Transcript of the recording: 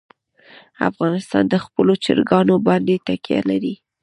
افغانستان په خپلو چرګانو باندې تکیه لري.